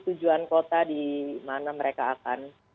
tujuan kota di mana mereka akan